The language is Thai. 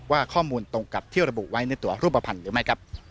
ว่าข้อมูลตรงกับที่ระบุไว้ในตัวรูปภัณฑ์หรือไม่ครับ